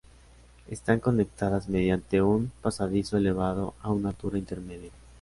Están conectadas mediante un pasadizo elevado a una altura intermedia.